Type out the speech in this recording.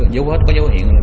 dấu vết có dấu hiện